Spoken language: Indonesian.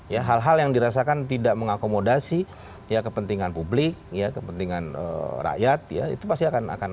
ya hal hal yang dirasakan tidak mengakomodasi ya kepentingan publik ya kepentingan rakyat ya itu pasti akan